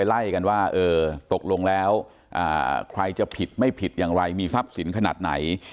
ไล่กันว่าเออตกลงแล้วใครจะผิดไม่ผิดอย่างไรมีทรัพย์สินขนาดไหน